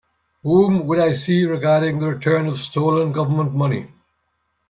Whom would I see regarding the return of stolen Government money?